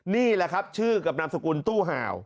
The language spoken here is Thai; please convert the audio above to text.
นี่แหละครับชื่อกับนามสกุลตู้ห่าว